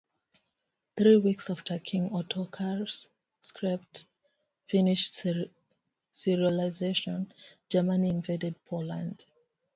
Three weeks after "King Ottokar's Sceptre" finished serialisation, Germany invaded Poland.